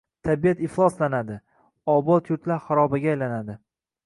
tabiat ifloslanadi, obod yurtlar xarobaga aylanadi.